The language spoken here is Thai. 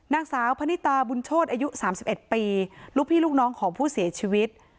นางสาวพนิตาบุญโชธอายุ๓๑ปีลูกพี่ลูกน้องของผู้เสียชีวิต